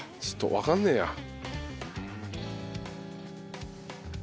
ちょっとわかんねえや。